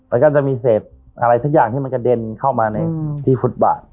และก็จะมมีเซฟอะไรทุกอย่างที่มันกระเด้นเข้ามาในพุทธบาท